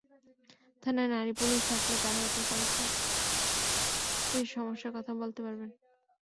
থানায় নারী পুলিশ থাকলে তাঁরা সহজে এসে সমস্যার কথা বলতে পারবেন।